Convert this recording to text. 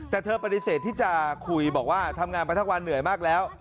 แต่เธอปฏิเสธที่จะคุยบอกว่าทำงานมาทั้งวันเหนื่อยมากแล้ว